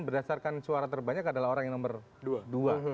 berdasarkan suara terbanyak adalah orang yang nomor dua